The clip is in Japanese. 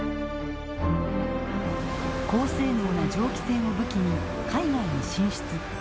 高性能な蒸気船を武器に海外に進出。